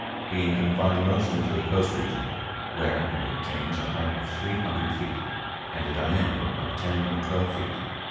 being confined mostly to the coast region, where it attains a height of three hundred feet, and a diameter of ten or twelve feet.